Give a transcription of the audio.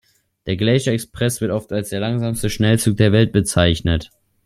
Der Glacier Express wird oft als der «langsamste Schnellzug der Welt» bezeichnet.